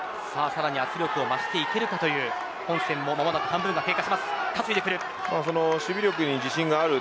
さらに圧力を増していけるかという本戦は間もなく３分経過します。